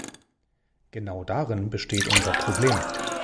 Genau darin besteht unser Problem.